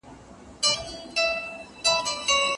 - محمد شریف ایوبی، ليکوال او خبريال .